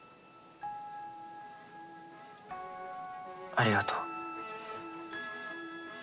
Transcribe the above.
ありがとう。